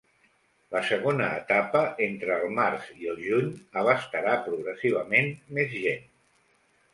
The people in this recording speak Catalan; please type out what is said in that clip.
La segona etapa, entre el març i el juny, abastarà progressivament més gent.